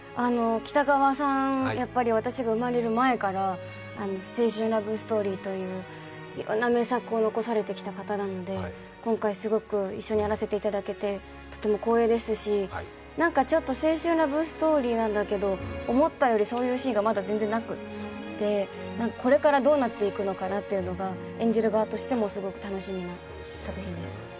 北川さんは私が生まれる前から青春ラブストーリーといういろんな名作を残されてきた方なので今回すごく一緒にやらせていただけてとても光栄ですしなんかちょっと青春ラブストーリーなんだけど、思ったよりそういうシーンがまだ全然なくてこれからどうなったいくのかなというのが演じる側としてもすごく楽しみな作品です。